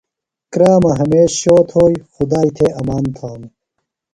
کرامہ ہمیش شو تھوئیۡ، خدائیۡ تھےۡ امان تھانوۡ